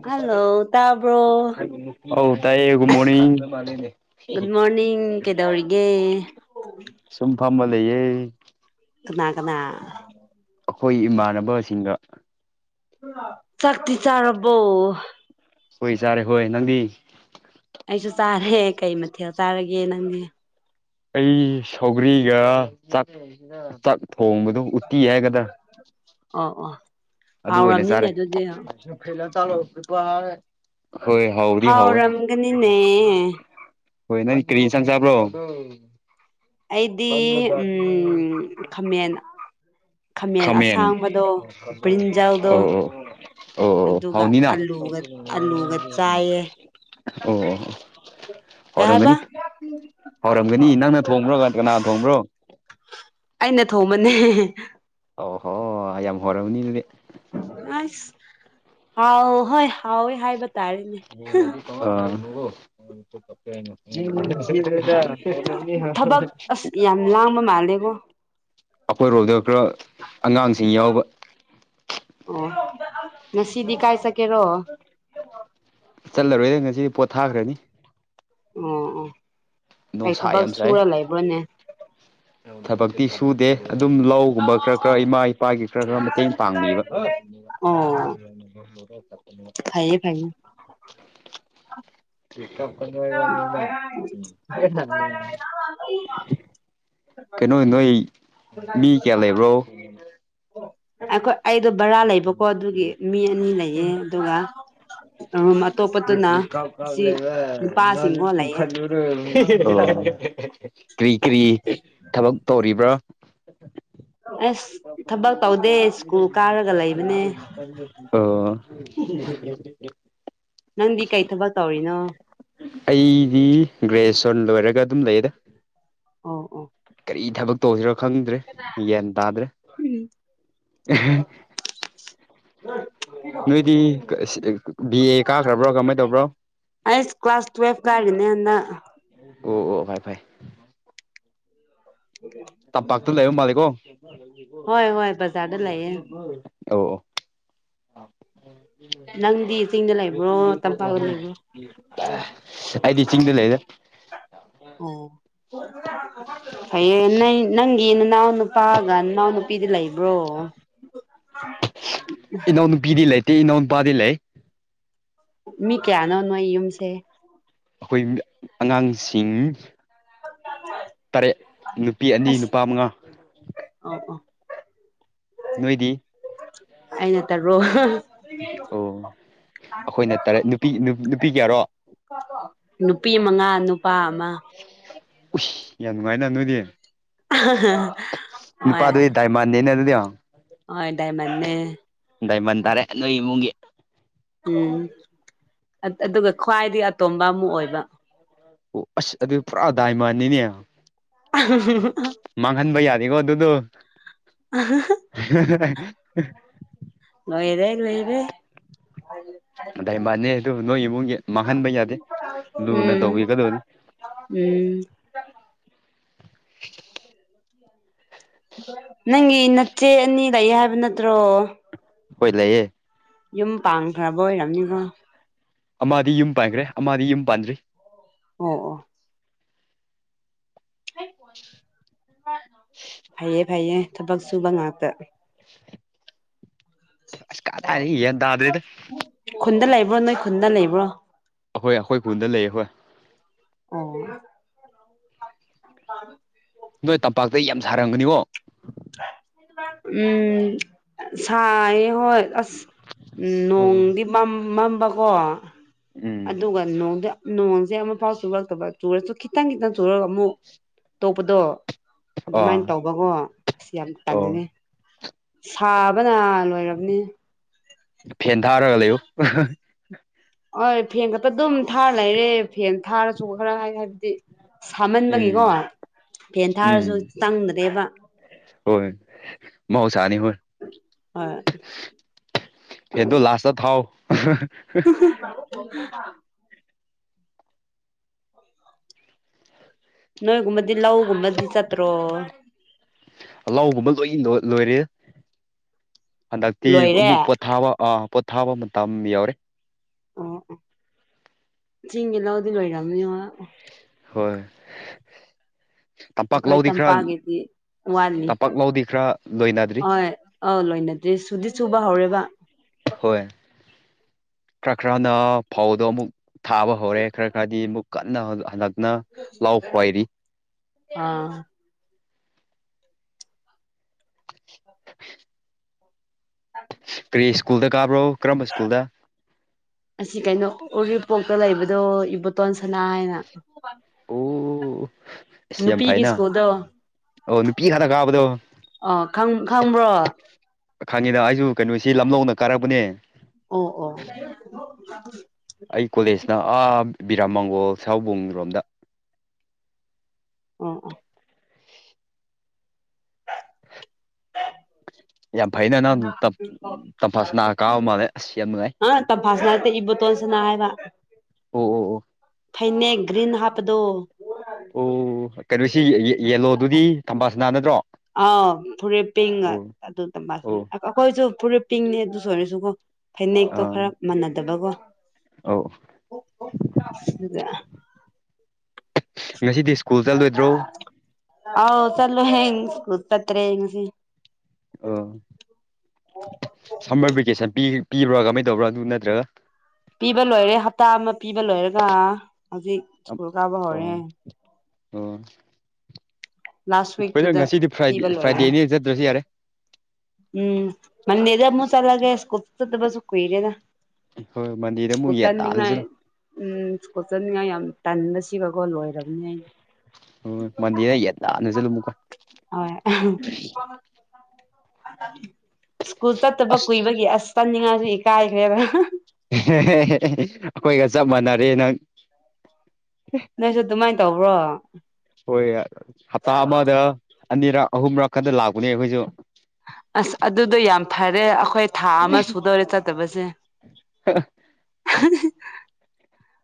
hello ꯇꯥꯕ꯭ꯔꯣ hello ꯇꯌꯦ ꯨ ꯃꯣꯅꯤꯡ ꯒꯨꯗ ꯃꯣꯔꯅꯤꯡ ꯀꯩꯗꯧꯔꯤꯒꯦ ꯐꯝꯕ ꯂꯩꯌꯦ ꯀꯃ ꯀꯅꯥ ꯑꯩꯈꯣꯏ ꯏꯃꯥꯟꯅꯕꯁꯤꯡꯗ ꯆꯥꯛꯛꯇꯤ ꯆꯥꯔꯔꯕꯣ ꯍꯣꯏ ꯆꯥꯔꯦ ꯍꯣꯏ ꯅꯪꯗꯤ ꯑꯩꯁꯨ ꯆꯥꯔꯦ ꯀꯩ ꯃꯊꯦꯜ ꯆꯥꯔꯒꯦ ꯅꯪꯒꯤ ꯑꯩ ꯁꯧꯒ꯭ꯔꯤꯒ ꯊꯣꯡꯕꯗꯨ ꯎꯇꯤ ꯍꯥꯏꯒꯗ ꯑꯣ ꯑꯣ ꯑꯗꯨ ꯑꯣꯏꯅ ꯍꯥꯎꯔꯝꯅꯤꯅꯦ ꯆꯥꯔꯦ ꯑꯗꯨꯗꯤ ꯍꯣꯏ ꯍꯥꯎꯗꯤ ꯍꯥꯎ ꯍꯥꯎꯔꯝꯒꯅꯤꯅꯦ ꯍꯣꯏ ꯅꯪ ꯀꯔꯤ ꯆꯪ ꯆꯥꯕ꯭ꯔꯣ ꯑꯩꯗꯤ ꯎꯝ ꯈꯥꯃꯦꯟ ꯈꯥꯃꯦꯟ ꯕ꯭ꯔꯤꯟꯖꯜꯗꯣ ꯑꯣ ꯑꯣ ꯑꯣ ꯑꯗꯨꯒ ꯍꯥꯎꯅꯤꯅ ꯑꯂꯨꯒ ꯑꯂꯨꯒ ꯆꯥꯏꯌꯦ ꯑꯣ ꯀꯩ ꯍꯥꯏꯕ ꯍꯧꯥꯎꯔꯝꯒꯅꯤ ꯍꯧꯥꯎꯔꯝꯒꯅꯤ ꯅꯪꯅ ꯊꯣꯡꯕ꯭ꯔꯣ ꯀꯅꯥ ꯊꯣꯡꯕ꯭ꯔꯣ ꯑꯩꯅ ꯊꯣꯡꯃꯅꯦ ꯑꯣ ꯍꯣꯏ ꯌꯥꯝ ꯍꯣꯏꯔꯕꯅꯤ ꯑꯗꯨꯗꯤ ꯑꯁ ꯍꯥꯎ ꯍꯣꯏ ꯍꯥꯎꯋꯦ ꯍꯥꯏꯕ ꯇꯥꯔꯦꯅꯦ ꯑꯣ ꯎ ꯊꯕꯛ ꯑꯁ ꯌꯥꯝ ꯂꯥꯡꯕ ꯃꯥꯜꯂꯦꯀꯣ ꯑꯩꯈꯣꯏꯔꯣꯝꯗ ꯈꯔ ꯑꯉꯥꯡꯁꯤꯡ ꯌꯥꯎꯕ ꯑꯣ ꯉꯁꯤꯗꯤ ꯀꯥꯏ ꯁꯀꯦꯔꯣ ꯆꯠꯂꯔꯣꯏꯗ ꯉꯁꯤꯗꯤ ꯄꯣꯠ ꯊꯥꯈ꯭ꯔꯅꯤ ꯑꯣ ꯑꯣ ꯑꯩ ꯅꯨꯡꯁꯥ ꯊꯕꯛ ꯁꯨꯔ ꯂꯩꯕ꯭ꯔꯣꯅꯦ ꯊꯕꯛꯗꯤ ꯁꯨ ꯗꯦ ꯑꯗꯨꯝ ꯂꯧꯒꯨꯝꯕ ꯈꯔ ꯈꯔ ꯏꯃꯥ ꯏꯄꯥꯒꯤ ꯈꯔ ꯈꯔ ꯃꯇꯦꯡ ꯄꯥꯡꯕꯤꯕ ꯑꯣ ꯑꯗꯨ ꯍ ꯐꯩꯌꯦ ꯐꯌꯦ [unintelligible] ꯀꯩꯅꯣ ꯅꯣꯏ ꯃꯤ ꯀꯌꯥ ꯂꯩꯕ꯭ꯔꯣ ꯑꯩꯈꯣꯏ ꯑꯩꯗꯣ ꯕꯔꯥ ꯂꯩꯕꯀꯣ ꯑꯗꯨꯒꯤ ꯃꯤ ꯑꯅꯤ ꯂꯩꯌꯦ ꯑꯗꯨꯒ ꯔꯨꯝ ꯑꯇꯣꯞꯄꯗꯨꯅ ꯀꯥꯎ ꯀꯥꯎ ꯑꯁꯤ ꯂꯩꯕ ꯅ ꯅꯨꯄꯥꯁꯤꯡꯒꯣ ꯂꯩꯌꯦ ꯀꯔ ꯀꯔꯤ ꯀꯔꯤ ꯊꯕꯛ ꯇꯧꯔꯤꯕ꯭ꯔꯣ ꯑꯁ ꯊꯕꯛ ꯇꯧꯗꯦ ꯁ꯭ꯀꯨꯜ ꯀꯥꯔꯒ ꯂꯩꯕꯅꯦ ꯑꯣ ꯅꯪꯗꯤ ꯀꯩ ꯊꯕꯛ ꯇꯧꯔꯤꯅꯣ ꯑꯩꯗꯤ ꯒ꯭ꯔꯦꯁ ꯇꯣꯅ ꯋꯥꯔꯒ ꯑꯗꯨꯝ ꯂꯩꯗ ꯑꯣ ꯑꯣ ꯀꯔꯤ ꯊꯕꯛ ꯇꯧꯁꯤꯔꯣ ꯈꯪꯗ꯭ꯔꯦ ꯒ꯭ꯌꯥꯟ ꯇꯥꯗ꯭ꯔꯦ ꯎꯝ ꯅꯣꯏꯗꯤ ꯕꯤ ꯑꯦ ꯀꯥꯈ꯭ꯔꯕ꯭ꯔꯣ ꯀꯃꯥꯏꯅ ꯇꯧꯕ꯭ꯔꯣ ꯑ ꯀ꯭ꯂꯥꯁ ꯇ꯭ꯋꯦꯜꯐ ꯀꯔꯅꯤꯦ ꯑꯣ ꯑꯣ ꯐꯥꯏ ꯐꯥꯏ ꯇꯞꯄꯥꯛꯇ ꯂꯩꯕ ꯃꯥꯂꯦꯀꯣ ꯍꯣꯏ ꯍꯣꯏ ꯕꯖꯥꯔꯗ ꯂꯩꯌꯦ ꯑꯣ ꯅꯪꯗꯤ ꯆꯤꯡꯗ ꯂꯩꯕ꯭ꯔꯣ ꯇꯝꯄꯥꯛꯇ ꯂꯩꯕ꯭ꯔꯣ ꯑꯩꯗꯤ ꯆꯤꯡꯗ ꯂꯩꯗ ꯑꯣ ꯐꯩꯟꯅ ꯅꯪꯒꯤ ꯅꯅꯥꯎ ꯅꯨꯄꯥꯒ ꯅꯅꯥꯎ ꯅꯨꯄꯤꯗꯤ ꯂꯩꯕ꯭ꯔꯣ ꯏꯅꯥꯧꯅ ꯄꯤꯗꯤ ꯂꯩꯇꯦ ꯏꯅꯥꯎꯅꯄꯥꯗꯤ ꯂꯩ ꯃꯤ ꯀꯌꯥ ꯅꯣꯅꯣ ꯑ ꯌꯨꯝꯁꯦ ꯑꯩꯈꯣꯏ ꯑꯉꯥꯡꯁꯤꯡ ꯇꯔꯦꯠ ꯅꯨꯄꯤ ꯑꯅꯤ ꯑꯁ ꯅꯨꯄꯥ ꯃꯉꯥ ꯑꯣ ꯑꯣ ꯅꯣꯏꯗꯤ ꯑꯩꯅ ꯇꯔꯣ ꯑꯣ ꯑꯩꯈꯣꯏꯅ ꯇꯔꯦꯠ ꯅꯨꯄꯤ ꯅꯨꯄꯤ ꯀꯌꯥꯔꯣ ꯅꯨꯄꯤ ꯃꯉꯥ ꯅꯨꯄꯥ ꯑꯃ ꯌꯥꯝ ꯅꯨꯡꯉꯥꯏꯅ ꯅꯣꯏꯗꯤ ꯅꯨꯄꯥꯗꯨ ꯗꯥꯏꯃꯥꯟꯗꯦꯅꯦ ꯑꯗꯨꯗꯤ ꯑꯗꯥꯥꯏꯃꯟꯅꯦ ꯩꯃ ꯇꯔꯦ ꯅꯣꯏꯃꯨꯡꯒꯤꯦ ꯎꯝ ꯑꯗꯨꯒ ꯈ꯭ꯋꯥꯏꯗꯒꯤ ꯑꯇꯣꯝꯕ ꯑꯃ ꯑꯣꯏꯕ ꯑꯣ ꯑꯁ ꯑꯗꯨ ꯄꯨꯔꯥ ꯗꯥꯏꯃꯟꯅꯤꯅꯦ ꯃꯥꯡꯍꯟꯕ ꯌꯥꯅꯤꯀꯣ ꯑꯗꯨꯗꯣ ꯗꯥꯏꯨ ꯑꯅꯦ ꯑꯗꯥꯏꯕꯥꯅꯦ ꯑꯗꯨ ꯅꯣꯏ ꯏꯃꯨꯡꯒꯤ ꯃꯥꯡꯍꯟꯕ ꯌꯥꯗꯦ ꯂꯨꯅ ꯎꯝ ꯇꯧꯕꯤꯒꯗꯧꯅꯤ ꯎꯝ [unintelligible] ꯅꯪꯒꯤ ꯅꯆꯦ ꯑꯅꯤ ꯂꯩꯑ ꯍꯥꯏꯕ ꯅꯠꯇ꯭ꯔꯣ ꯍꯣꯏ ꯂꯩꯌꯦꯦ ꯌꯨꯝ ꯄꯥꯡꯊꯕ ꯑꯣꯏꯔꯝꯅꯤꯀꯣ ꯑꯃꯗꯤꯗꯤ ꯌꯨꯝ ꯄꯥꯟꯈ꯭ꯔꯦ ꯑꯃꯗꯤ ꯌꯨꯝ ꯄꯥꯟꯗ꯭ꯔꯤ ꯑꯣ ꯑꯣ ꯐꯩꯌꯦ ꯐꯩꯌꯦ ꯊꯕꯛ ꯁꯨꯕ ꯉꯥꯛꯇ ꯑꯁ ꯀ ꯇꯅꯤ ꯌꯦꯟ ꯇꯗ꯭ꯔꯦꯗ ꯭ꯔꯣ ꯅꯣꯏ ꯈꯨꯟꯗ ꯂꯩꯕ꯭ꯔꯣ ꯑꯩꯍꯣꯏ ꯑꯩꯈꯣꯏ ꯄꯨꯟꯗ ꯂꯩꯌꯦ ꯍꯣꯏ ꯑꯣ ꯐ ꯅꯣꯏ ꯇꯝꯄꯥꯛꯇ ꯌꯥꯝ ꯁꯥꯔꯝꯒꯅꯤꯕꯣ ꯎꯝ ꯆꯥꯏ ꯍ ꯑꯁ ꯑꯣ ꯅꯣꯡꯗꯤ ꯃꯝꯕꯀꯣ ꯎꯝ ꯑꯗꯨꯒ ꯅꯣꯡꯗꯤ ꯅꯣꯡꯁꯦ ꯑꯃꯐꯥꯎ ꯆꯨꯔꯛꯇꯕ ꯆꯨꯔꯁꯨ ꯈꯤꯇꯪ ꯈꯤꯇꯪ ꯆꯨꯔꯒ ꯑꯃꯨꯛ ꯇꯣꯛꯄꯗꯣ ꯑꯗꯨꯃꯥꯏꯅ ꯑꯥ ꯇꯧꯕꯒꯣ ꯑꯁꯤ ꯌꯥꯝ ꯑꯣ ꯇꯜꯦ ꯁꯥꯕꯅ ꯂꯣꯏꯔꯕꯅꯤ ꯐꯦꯟ ꯊꯥꯔꯒ ꯂꯩꯨ ꯍꯣꯏ ꯐꯦꯡꯒꯠꯄ ꯑꯗꯨꯝ ꯊꯥꯔ ꯂꯩꯔꯦ ꯐꯦꯟ ꯊꯥꯔꯁꯨꯕ ꯈꯔ ꯍꯥꯏ ꯍꯥꯏꯕꯗꯤ ꯁꯥꯃꯟꯕꯅꯤꯀꯣ ꯎꯝ ꯐꯦꯟ ꯊꯥꯔꯁꯨ ꯎꯝ ꯆꯪꯗ꯭ꯔꯦꯕ ꯍꯣꯏ ꯃ ꯁꯥꯅꯤ ꯍꯣꯏ ꯍꯣꯏ ꯐꯦꯟꯇꯣ ꯂꯥꯁ ꯊꯥꯎ [unintelligible] ꯅꯣꯏꯒꯨꯝꯕꯗꯤ ꯂꯧꯒꯨꯝꯕꯗꯤ ꯆꯠꯇ꯭ꯔꯣ ꯂꯒꯨꯝꯕ ꯂꯣꯏ ꯂꯣꯏꯔꯦ ꯍꯟꯗꯛꯇꯤ ꯂꯣꯏꯔꯦ ꯑꯃꯨꯛ ꯑꯣ ꯄꯣꯊꯥꯕ ꯑꯥ ꯄꯣꯊꯥꯕ ꯃꯇꯝ ꯌꯎꯔꯦ ꯑꯣ ꯆꯤꯡꯒꯤꯦ ꯂ ꯑꯗꯨꯗꯤ ꯂꯣꯏꯔꯅꯤ ꯍꯣꯏ ꯇꯝꯄꯥꯛ ꯑꯩꯈꯣꯏ ꯂꯧꯗꯤ ꯈꯔ ꯇꯝꯄꯥꯛꯒꯤꯗꯤ ꯋꯥꯠꯂꯤ ꯇꯝꯄꯥꯛ ꯂꯧꯗꯤ ꯈꯔ ꯂꯣꯏꯅꯗ꯭ꯔꯤ ꯍꯣꯏ ꯑꯧ ꯂꯣꯏꯅꯗ꯭ꯔꯦ ꯁꯨꯗꯤ ꯆꯨꯕ ꯍꯧꯔꯦꯕ ꯍꯣꯏ ꯈꯔ ꯈꯔꯅ ꯐꯥꯎꯕꯗꯣ ꯑꯃꯨꯛ ꯊꯥꯕ ꯍꯧꯔꯦ ꯈꯔ ꯈꯔꯗꯤ ꯑꯃꯨꯛ ꯀꯟꯅ ꯍꯟꯗꯛꯅ ꯂꯥꯎ ꯈ꯭ꯋꯥꯏꯔꯤ ꯑꯥ [unintelligible] ꯀꯔꯤ ꯁ꯭ꯀꯨꯜꯗ ꯀꯥꯕ꯭ꯔꯣ ꯀꯔꯝꯕ ꯁ꯭ꯀꯨꯜꯗ ꯑꯁꯤ ꯀꯩꯅꯣ ꯎꯔꯤꯄꯣꯛꯇ ꯂꯩꯕꯗꯣ ꯏꯕꯣꯇꯣꯟ ꯁꯅꯥ ꯍꯥꯏꯅ ꯑꯣ ꯑꯁ ꯌꯥꯝ ꯅꯨꯄꯤꯒꯤ ꯐꯩꯅ ꯁꯀꯣꯜꯗ ꯑꯣ ꯀ ꯈꯥꯅ ꯀꯥꯕꯗ ꯈꯪ ꯈꯪꯕ꯭ꯔꯣ ꯑꯣ ꯈꯪꯉꯤꯗ ꯑꯩꯁꯨ ꯀꯩꯅꯣꯁꯤ ꯂꯝꯂꯧꯗ ꯀꯥꯔꯛꯄꯅꯦ ꯑꯣ ꯑꯣ ꯑꯩ ꯀꯣꯂꯦꯖꯅ ꯑꯥ ꯕꯤꯔꯥ ꯃꯪꯒꯣꯜ ꯁꯍꯥꯎꯕꯨꯡ ꯔꯣꯝꯗ ꯑꯣ ꯑꯣ ꯑ ꯌꯥ ꯐꯩꯅꯅ ꯇꯝꯐꯥꯁꯤ ꯅꯥꯔꯒ ꯀꯥꯕ ꯃꯥꯜꯂꯦ ꯑꯁ ꯌꯥꯝ ꯅꯨꯡꯉꯥꯏ ꯑ ꯇꯝꯐꯥꯁꯅꯥ ꯅꯠꯇꯦ ꯏꯕꯣꯇꯣꯟ ꯁꯅꯥ ꯍꯥꯏꯕ ꯑꯣ ꯑꯣ ꯑꯣ ꯐꯩꯅꯦꯛ ꯭ꯔꯤꯟ ꯍꯥꯞꯗꯨꯣ ꯑꯣ ꯀꯩꯅꯣꯁꯤ ꯌꯦꯂꯣꯗꯨꯗꯤ ꯊꯝꯕꯥꯁ ꯅꯥ ꯅꯗ꯭ꯔꯣ ꯑꯥꯎ ꯐꯨꯔꯤꯠ ꯄꯤꯡ ꯑꯗꯨꯗ ꯑꯣ ꯑꯩꯈꯣꯏꯁꯨ ꯐꯨꯔꯤ ꯄꯤꯡꯅꯦꯦ ꯑꯗꯨꯁꯨ ꯑꯣꯏꯔꯁꯨꯀꯣ ꯐꯅꯦꯛꯇꯣ ꯑꯥ ꯈꯔ ꯃꯥꯟꯅꯗꯕꯀꯣ ꯑꯧ ꯑꯗꯨꯗ ꯉꯁꯤꯗꯤ ꯁ꯭ꯀꯨꯜ ꯆꯠꯂꯣꯏꯗ꯭ꯔꯣ ꯑ ꯆꯂꯣ ꯍꯌꯦ ꯁ ꯆꯠꯇꯔꯦ ꯁꯤ ꯑꯣ ꯁꯔꯕꯤꯀꯦꯁꯟ ꯄ ꯄꯤꯕ꯭ꯔꯥ ꯀꯃꯥꯏꯅ ꯇꯧꯕ꯭ꯔꯥ ꯑꯗꯨ ꯅꯠꯇ꯭ꯔꯒ ꯄꯤꯕ ꯂꯣꯏꯔꯦ ꯍꯞꯇꯥ ꯑꯃ ꯄꯤꯕ ꯂꯣꯏꯔꯒ ꯍꯧꯖꯤꯛ ꯑꯣ ꯁ꯭ꯀꯨꯜ ꯀꯥꯕ ꯍꯧꯔꯦ ꯑꯣ ꯂꯥꯁ ꯑꯩꯈꯣꯏꯩꯅ ꯋꯤꯛꯇꯨꯗ ꯉꯁꯤꯗꯤ ꯐ꯭ꯔꯗꯦ ꯄꯤꯕ ꯂꯣꯏꯔꯦ ꯐ꯭ꯔꯥꯏꯗꯦꯅꯦ ꯆꯠꯇ꯭ꯔꯁꯨ ꯌꯥꯔꯦ ꯎꯝ ꯃꯅꯦꯦꯗꯃꯨꯁꯂꯒꯦ ꯀꯗꯕꯁꯁꯨ ꯀꯨꯏꯔꯦꯗ ꯍꯣꯏ ꯃꯟꯗꯦꯗ ꯑꯃꯨꯛ ꯌꯦꯟ ꯇꯥꯅ ꯆꯠꯂꯣ ꯈꯨꯠꯇꯅꯤꯉꯥꯏ ꯎꯝ ꯈꯨꯠꯇꯅꯤꯡꯉꯥꯏ ꯌꯥꯝ ꯇꯟ ꯁꯤꯕꯒꯣ ꯂꯣꯏꯔꯕꯅꯦꯩꯅ ꯍꯣꯏ ꯃꯟꯗꯤꯔꯗ ꯌꯦꯗꯥꯅ ꯆꯠꯂꯨ ꯑꯃꯨꯀ ꯍꯣꯏ ꯁ꯭ꯀꯨꯜ ꯆꯠꯇꯕ ꯑꯁ ꯀꯨꯏꯕꯒꯤ ꯑꯁ ꯆꯟꯅꯤꯡꯉꯁꯨ ꯏ ꯀꯥꯏꯈ꯭ꯔꯦꯗ ꯑꯩꯈꯣꯏꯒ ꯆꯞ ꯃꯥꯟꯅꯔꯦ ꯅꯪ ꯅꯣꯏꯁꯨ ꯑꯗꯨꯃꯥꯏꯅ ꯇꯧꯕ꯭ꯔꯣ ꯍꯣꯏ ꯍꯞꯇꯥ ꯑꯃꯗ ꯑꯅꯤꯔꯛ ꯑꯍꯨꯝꯔꯛ ꯈꯛꯇ ꯂꯥꯛꯄꯅꯦ ꯑꯩꯈꯣꯏꯁꯨ ꯑꯁ ꯑꯗꯨꯗꯣ ꯌꯥꯝ ꯐꯔꯦ ꯑꯩꯈꯣꯏ ꯊꯥ ꯑꯃ ꯁꯨꯗꯧꯔꯦ ꯆꯠꯇꯕꯁꯦ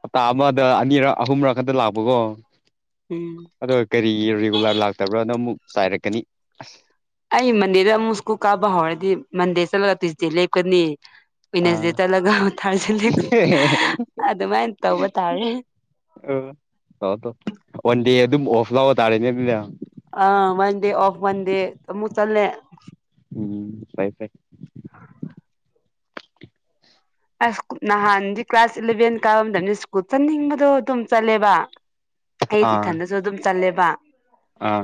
ꯍꯞꯇꯥ ꯑꯃꯗ ꯑꯅꯤꯔꯛ ꯑꯍꯨꯝꯔꯛ ꯈꯛꯇ ꯂꯥꯛꯄꯀꯣ ꯎꯝ ꯑꯗꯣ ꯀꯔꯤ ꯔꯤꯒꯨꯂꯔ ꯂꯥꯛꯇꯕ꯭ꯔꯥꯅꯣ ꯑꯃꯨꯛ ꯆꯥꯏꯔꯛꯀꯅꯤ ꯑꯁ ꯑꯩ ꯃꯟꯗꯦꯗ ꯑꯃꯨꯛ ꯁ꯭ꯀꯨꯜ ꯀꯥꯕ ꯍꯧꯔꯗꯤ ꯃꯟꯗꯦ ꯆꯠꯂꯒ ꯇ꯭ꯌꯏꯁꯗꯦ ꯂꯦꯞꯀꯅꯤ ꯑꯥ ꯄꯅꯁꯗꯦꯇ ꯂꯒ ꯊꯥꯔꯖ ꯑꯗꯨꯃꯥꯏꯅ ꯇꯧꯕ ꯇꯥꯔꯦ ꯑ ꯋꯥꯟꯗꯤꯦ ꯑꯗꯨꯝ ꯑꯣꯐꯂ ꯑꯣꯇꯥꯥꯦꯅꯤ ꯑꯗꯨꯗ ꯑ ꯋꯥꯟ ꯗꯦ ꯑꯣꯐ ꯋꯥꯟ ꯗꯦ ꯃꯨꯛ ꯆꯜꯂꯦ ꯎꯝ ꯐꯥꯏ ꯐꯥꯏ ꯑꯁ ꯅꯍꯥꯟꯗꯤ ꯀ꯭ꯂꯥꯁ ꯏꯂꯚꯦꯟ ꯀꯥꯕ ꯃꯇꯝꯗ ꯁ꯭ꯀꯨꯜ ꯆꯠꯅꯤꯡꯕꯗꯣ ꯑꯗꯨꯝ ꯆꯠꯂꯦꯕ ꯑꯩ ꯑꯥ ꯏꯊꯟꯗꯁꯨ ꯑꯗꯨꯝ ꯆꯜꯂꯦꯕ ꯑꯥ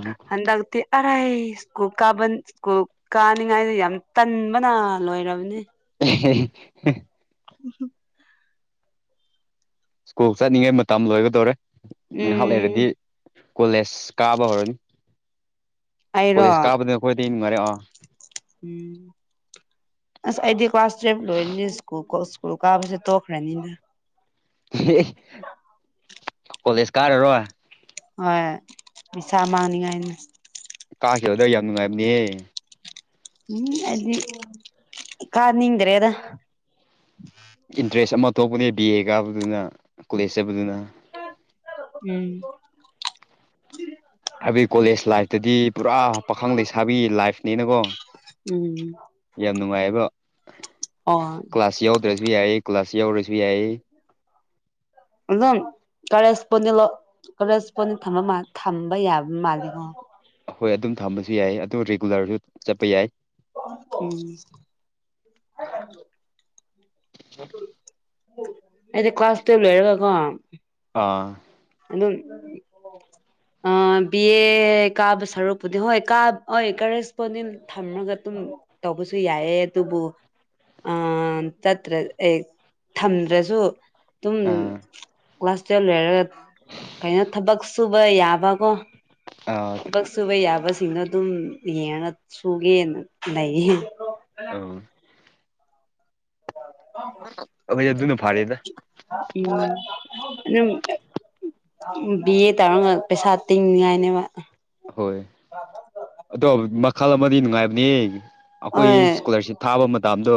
ꯑꯔꯥꯏ ꯁ꯭ꯀꯨꯜ ꯀꯥꯕ ꯁ꯭ꯀꯨꯜ ꯀꯥꯅꯤꯡꯉꯥꯏꯗ ꯌꯥꯝ ꯇꯟꯕꯅ ꯂꯣꯏꯔꯕꯅꯤ [unintelligible] ꯎ ꯁ꯭ꯀꯨꯜ ꯆꯠꯅꯤꯡꯉꯩ ꯃꯇꯝ ꯂꯣꯏꯒꯗꯧꯔꯦ ꯉꯥꯏꯍꯥꯛ ꯎꯝ ꯂꯩꯔꯗꯤ ꯀꯣꯂꯦꯖ ꯀꯥꯕ ꯍꯧꯔꯅꯤ ꯑꯩꯔꯣ ꯀꯣꯂꯦꯖ ꯀꯥꯞꯕꯗ ꯑꯩꯈꯣꯏꯗꯤ ꯉꯥꯏꯔꯦꯑꯣ ꯎꯝ ꯑꯁ ꯑꯩꯗꯤ ꯀ꯭ꯂꯥꯁ ꯇꯨꯋꯕ ꯂꯣꯏꯔꯅꯤ ꯁ꯭ꯀꯨꯜ ꯁ꯭ꯀꯨꯜ ꯀꯥꯕꯁꯦ ꯇꯣꯛꯈ꯭ꯔꯅꯤꯅ ꯍ ꯀꯣꯂꯦꯁ ꯀꯥꯔꯔꯣ ꯍꯣꯏ ꯃꯤꯁꯥ ꯑꯃꯅꯤꯡꯉꯥꯏꯅ ꯀꯥꯈꯤꯕꯗ ꯌꯥꯝ ꯅꯨꯡꯉꯥꯏꯕꯅꯦ ꯎꯝꯗꯤ ꯀꯥ ꯅꯤꯡꯗꯔꯦ ꯑꯗ ꯏꯟꯇꯔꯦꯁ ꯑꯃ ꯊꯣꯛꯄꯅꯦ ꯕꯤ ꯑꯦ ꯀꯥꯕꯗꯨꯅ ꯀꯣꯂꯦꯖ ꯆꯠꯄꯗꯨꯅ ꯎꯝ ꯍꯥꯏꯕꯗꯤ ꯀꯣꯂꯦꯖ ꯂꯥꯏꯐꯇꯗꯤ ꯄꯨꯔꯥ ꯄꯥꯈꯪ ꯂꯩꯁꯥꯕꯤ ꯂꯥꯏꯐꯅꯤꯅꯀꯣ ꯎꯝ ꯌꯥꯝ ꯅꯨꯡꯉꯥꯏꯕ ꯑꯣ ꯔꯁꯕꯤ ꯑꯌꯦ ꯀ ꯀ꯭ꯂꯂꯁꯤꯌꯥ ꯑꯣꯔꯁꯕꯤ ꯑꯌꯦ ꯑꯗꯨꯝ ꯀꯔꯦꯁꯄꯣꯟꯗꯤ ꯀꯔꯦꯁꯄꯣꯟꯗꯤꯠ ꯊꯝꯕ ꯌꯥꯕ ꯃꯥꯜꯜꯂꯤꯀꯣ ꯍꯣꯏ ꯑꯗꯨꯝ ꯊꯝꯕꯁꯨ ꯌꯥꯏ ꯑꯗꯨ ꯔꯤꯒꯨꯂꯔꯁꯨ ꯆꯠꯄ ꯌꯥꯏ ꯎꯝ ꯑ ꯑꯗꯤ ꯀꯥꯁꯇꯦꯕ ꯂ ꯑꯣꯏꯔꯒ ꯀꯣ ꯑꯥ ꯑꯗꯨꯝ ꯎꯝ ꯑ ꯕꯤ ꯑꯦ ꯀꯥꯕ ꯁꯔꯛꯄꯨꯗꯤ ꯍꯣꯏ ꯀꯥ ꯍ ꯀꯔꯦꯁꯄꯣꯟꯗꯦꯟ ꯊꯝꯃꯒ ꯑꯗꯨꯝ ꯇꯧꯕꯁꯨ ꯌꯥꯏꯑꯦ ꯑꯗꯨꯕꯨ ꯑ ꯆꯠꯇ꯭ꯔ ꯑꯦ ꯊꯝꯗ꯭ꯔꯁꯨ ꯑꯗꯨꯝ ꯑꯥ ꯀ꯭ꯂꯥꯁ ꯇꯨꯌꯦꯜ ꯂꯩꯔꯒ ꯁꯨꯕ ꯌꯥꯕꯀꯣ ꯑꯥ ꯊꯕꯛ ꯁꯨꯕ ꯌꯥꯕꯁꯤꯡꯗꯣ ꯑꯗꯨꯝ ꯌꯦꯅ ꯁꯨꯒꯦ ꯂꯩꯏꯌꯦ ꯑ ꯈ ꯑꯗꯨꯅ ꯐꯥꯔꯦꯗ ꯑꯗꯨꯝ ꯕꯤ ꯑꯦ ꯇꯧꯔꯒ ꯄꯩꯁꯥ ꯇꯤꯡꯅꯤꯉꯥꯏꯅꯦꯕ ꯍꯣꯏ ꯑꯣ ꯃꯈꯜ ꯑꯃꯗꯤ ꯅꯨꯡꯉꯥꯏꯕꯅꯦ ꯑꯩꯈꯣꯏ ꯍꯣꯏ ꯏꯁꯀꯣꯂꯥꯔꯁꯤꯞ ꯊꯥꯕ ꯃꯇꯝꯗꯣ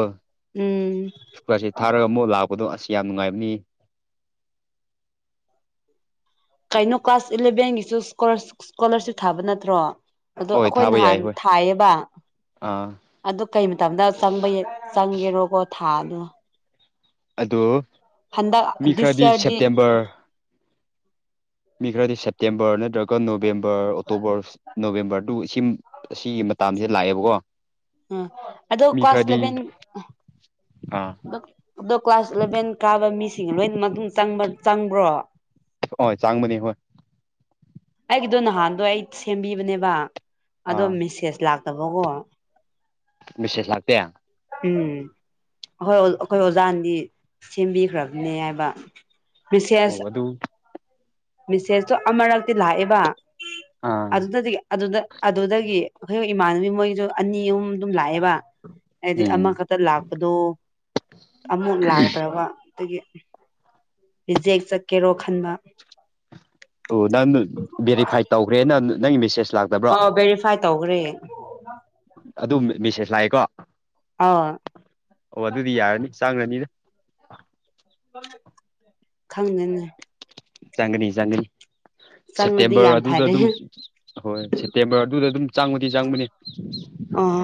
ꯎꯝ ꯏꯁꯀꯣꯂꯥꯔꯁꯤꯞ ꯊꯥꯔꯒ ꯑꯃꯨꯛ ꯂꯥꯛꯄꯗꯣ ꯑꯁ ꯌꯥꯝ ꯅꯨꯡꯉꯥꯏꯕꯅꯤ ꯀꯩꯅꯣ ꯀ꯭ꯂꯥꯁ ꯏꯂꯦꯚꯦꯟꯒꯤꯁꯨ ꯏꯁꯀꯣꯂꯥꯔꯁꯤꯞ ꯊꯥꯕ ꯅꯠꯇ꯭ꯔꯣ ꯑꯗꯣ ꯍꯣꯏ ꯑꯩꯈꯣꯏ ꯊꯥꯕ ꯌꯥꯏ ꯅꯍꯥꯟ ꯍꯣꯏ ꯊꯥꯏꯌꯦꯕ ꯑꯥ ꯑꯗꯨ ꯀꯩ ꯃꯇꯝꯗ ꯆꯪꯕ ꯆꯪꯒꯦꯔꯣꯀꯣ ꯊꯥꯗꯣ ꯑ ꯍꯟꯗꯛ ꯃꯤ ꯗꯤꯁ ꯈꯔꯗꯤ ꯌꯔꯗꯤ ꯁꯦꯞꯇꯦꯝꯕꯔ ꯃꯤ ꯈꯔꯗꯤ ꯁꯦꯞꯇꯦꯝꯕꯔ ꯅꯠꯇ꯭ꯔꯒ ꯅꯣꯕꯦꯝꯕꯔ ꯑꯣꯛꯇꯣꯕꯔ ꯅꯣꯕꯦꯝꯕꯔꯗꯨ ꯁꯤ ꯃꯇꯁꯤꯗ ꯂꯥꯛꯑꯦꯕꯀꯣ ꯑ ꯑꯗꯣ ꯃꯤ ꯀ꯭ꯂꯥꯁ ꯈꯔꯗꯤ ꯂꯂꯚꯦꯟ ꯑꯥ ꯑꯗꯣ ꯀ꯭ꯂꯥꯁ ꯏꯂꯚꯦꯟ ꯀꯥꯕ ꯃꯤꯁꯤꯡ ꯂꯣꯏꯅ ꯆꯪꯕ꯭ꯔꯣ ꯍꯣꯏ ꯆꯥꯡꯕꯅꯤ ꯍꯣꯏ ꯑꯩꯒꯤꯗꯣ ꯅꯍꯥꯟꯗꯣ ꯑꯩ ꯁꯦꯝꯕꯤꯕꯅꯦꯕ ꯑꯗꯣ ꯑꯥ ꯃꯦꯁꯦꯁ ꯂꯥꯛ ꯇꯕꯒꯣ ꯁꯦꯁ ꯂꯥꯛꯇ ꯎꯝ ꯍꯣꯏ ꯑꯩꯈꯣꯏ ꯑꯣꯖꯥꯅꯗꯤ ꯁꯦꯝꯕꯤꯈ꯭ꯔꯕꯅꯦ ꯍꯥꯏꯕ ꯑꯣ ꯑꯗꯨ ꯑꯗꯨ ꯃꯤꯦꯁꯦꯁꯇꯣ ꯑꯃꯔꯛꯇꯤ ꯂꯥꯛꯑꯦꯕ ꯑꯥ ꯑꯗꯨꯅꯗꯤ ꯑꯗꯨꯗ ꯑꯗꯨꯗꯒꯤ ꯑꯩꯈꯣꯏ ꯏꯃꯥꯟꯅꯕꯤ ꯃꯣꯏꯒꯤꯁꯨ ꯑꯅꯤ ꯑꯍꯨꯝ ꯑꯗꯨꯝ ꯂꯥꯛꯑꯦꯕ ꯋꯥ ꯍꯥꯏꯗꯤ ꯎꯝ ꯑꯃꯈꯛꯇ ꯂꯥꯛꯄꯗꯣ ꯑꯃꯨꯛ ꯂꯥꯛꯇ꯭ꯔꯕ ꯑꯗꯒꯤ ꯔꯤꯖꯦꯛ ꯆꯠꯀꯦꯔꯣ ꯈꯟꯕ ꯑꯣ ꯅꯪ ꯕꯦꯔꯤꯐꯥꯏ ꯇꯧꯈ꯭ꯔꯦ ꯅ ꯅꯪꯒꯤ ꯃꯦꯁꯦꯁ ꯑ ꯚꯦꯔꯤꯐꯥꯏ ꯇꯧꯈ꯭ꯔꯦ ꯑꯗꯨ ꯃꯦꯁꯦꯖ ꯂꯥꯛꯑꯦꯀꯣ ꯑꯥꯎ ꯑꯣ ꯑꯗꯨꯗꯤ ꯌꯥꯔꯅꯤ ꯆꯪꯉꯅꯤꯅ [unintelligible] ꯈꯪꯗꯦꯅꯦ ꯆꯥꯡꯒꯅꯤ ꯆꯥꯡꯒꯅꯤ ꯆꯪꯉꯗꯤ ꯁꯦꯞꯇꯦꯝꯕꯔ ꯌꯥꯝ ꯑꯗꯨꯗ ꯐꯔꯦ ꯑꯗꯨꯝ ꯍꯣꯏ ꯁꯦꯞꯇꯦꯝꯕꯔ ꯑꯗꯨꯗ ꯑꯗꯨꯝ ꯆꯪꯕꯗꯤ ꯆꯪꯕꯅꯤ ꯑꯥ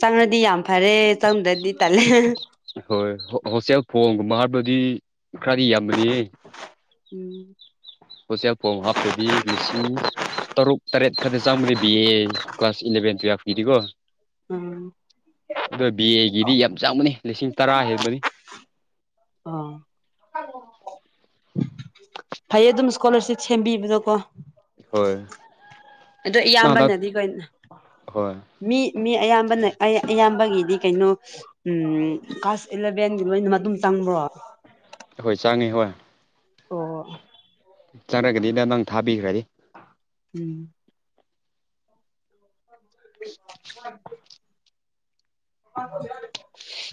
ꯆꯪꯅꯗꯤ ꯌꯥꯝ ꯐꯔꯦ ꯆꯪꯗ꯭ꯔꯗꯤ ꯇꯜꯂꯦ ꯍꯣꯏ ꯍꯣꯁꯇꯦꯜ ꯐꯣꯡꯒꯨꯝꯕ ꯍꯥꯏꯕꯗꯤ ꯈꯔꯗꯤ ꯌꯥꯝꯕꯅꯤ ꯎꯝ ꯎꯆꯦꯛꯐꯣ ꯍꯥꯞꯇꯗꯤ ꯂꯤꯁꯤꯡ ꯇꯔꯨꯛ ꯇꯔꯦꯠ ꯈꯛꯇ ꯆꯪꯕꯗꯤ ꯕꯤ ꯑꯦ ꯀ꯭ꯂꯥꯁ ꯏꯂꯚꯦꯟ ꯇꯨꯌꯦꯜꯐꯀꯤꯗꯤꯀꯣ ꯎꯝ ꯑꯗꯣ ꯕꯤ ꯑꯦꯒꯤꯗꯤ ꯌꯥꯝ ꯆꯥꯎꯕꯅꯤ ꯂꯤꯁꯤꯡ ꯇꯔꯥ ꯍꯥꯏꯕꯅꯦ ꯑꯣ ꯐꯩ ꯑꯗꯨꯝ ꯏꯁꯀꯣꯂꯔꯁꯤꯞ ꯁꯦꯝꯕꯤꯕꯗꯣꯀꯣ ꯍꯣꯏ ꯑꯣ ꯅꯪ ꯍꯟꯗꯛ ꯏꯌꯥꯝꯕꯅꯗꯤ ꯀ ꯍꯣꯏ ꯃꯤ ꯃꯤ ꯑꯌꯥꯝꯕꯅ ꯑꯌꯥꯝꯕꯒꯤꯗꯤ ꯀꯩꯅꯣ ꯎꯝ ꯀ꯭ꯂꯥꯁ ꯏꯂꯚꯦꯟꯒꯤ ꯂꯣꯏꯅ ꯃꯇꯨꯡ ꯆꯪꯕ꯭ꯔꯣ ꯍꯣꯏ ꯆꯥꯡꯉꯤ ꯍꯣꯏ ꯑꯣ ꯆꯪꯔꯒꯗꯤꯗ ꯅꯪ ꯊꯥꯕꯤꯈ꯭ꯔꯗꯤ ꯎꯝ [unintelligible] [unintelligible]